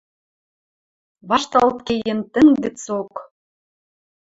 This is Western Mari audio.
Вашталт кеен тӹнг гӹцок...